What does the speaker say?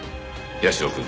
社くん。